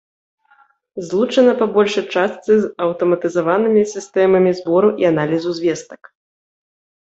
Злучана па большай частцы з аўтаматызаванымі сістэмамі збору і аналізу звестак.